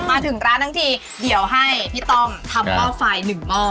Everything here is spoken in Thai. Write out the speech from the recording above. มาถึงร้านทั้งทีเดี๋ยวให้พี่ต้อมทำหม้อไฟ๑หม้อ